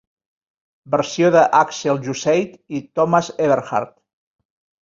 Versió de Axel Jusseit i Thomas Ewerhard.